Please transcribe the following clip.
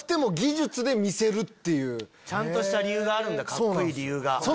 ちゃんとした理由があるんだカッコいい理由が。